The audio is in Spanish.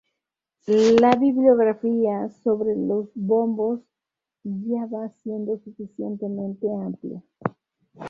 La Bibliografía sobre los bombos ya va siendo suficientemente amplia.